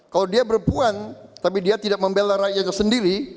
kalau dia perempuan tapi dia tidak membela rakyatnya sendiri